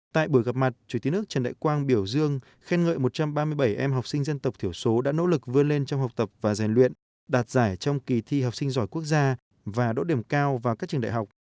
tại buổi gặp mặt chủ tịch nước trần đại quang biểu dương khen ngợi một trăm ba mươi bảy em học sinh dân tộc thiểu số đã nỗ lực vươn lên trong học tập và rèn luyện đạt giải trong kỳ thi học sinh giỏi quốc gia và đỗ điểm cao vào các trường đại học